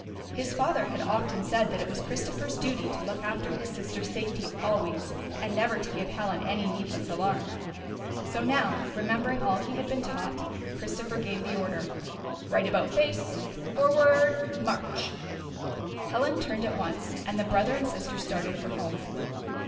His father had often said that it was Christopher's duty to look after his sister's safety always, and never to give Helen any needless alarm. So now, remembering all he had been taught, Christopher gave the order :" Eight about face ! Forward, march !" 42 HOME OF HELEN AND CHRISTOPHER Helen turned at once, and the brother and sister started for home.